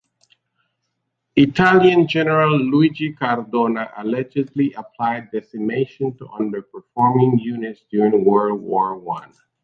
Italian General Luigi Cadorna allegedly applied decimation to underperforming units during World War One.